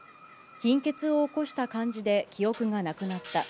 貧血を起こした感じで記憶がなくなった。